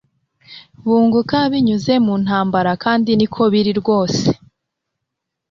bunguka binyuze mu ntambara kandi niko biri rwose